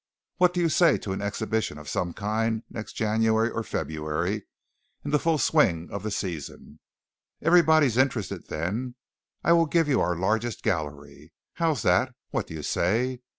What do you say to an exhibition of some kind next January or February, in the full swing of the season? Everybody's interested then. I will give you our largest gallery. How is that? What do you say?"